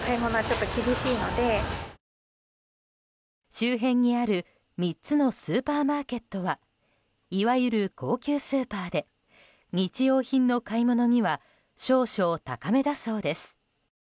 周辺にある３つのスーパーマーケットはいわゆる高級スーパーで日用品の買い物には少々高めだそうです。